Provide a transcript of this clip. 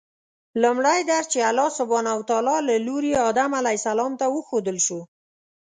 لومړی درس چې الله سبحانه وتعالی له لوري آدم علیه السلام ته وښودل شو